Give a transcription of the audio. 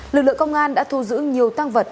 lực lượng công an đã thu giữ nhiều tăng vật